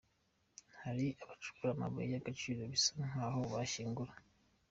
Hari abacukura amabuye y’agaciro bisa nkaho bishyingura.